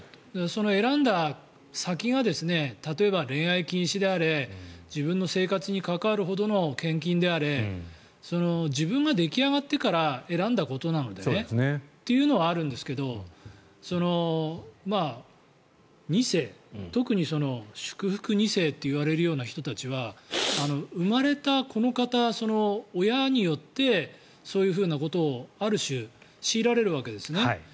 その選んだ先が例えば、恋愛禁止であれ自分の生活に関わるほどの献金であれ自分が出来上がってから選んだことなのでねというのはあるんですけど２世、特に祝福２世といわれるような人たちは生まれてこのかた親によってそういうふうなことをある種、強いられるわけですね。